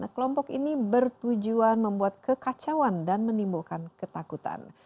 kelompok ini bertujuan membuat kekacauan dan menimbulkan ketakutan